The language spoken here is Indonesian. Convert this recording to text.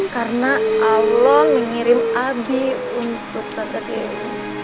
karena allah mengirim abi untuk tante dewi